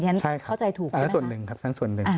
ใช่ครับใช่ครับเข้าใจถูกใช่ไหมครับส่วนหนึ่งครับส่วนหนึ่ง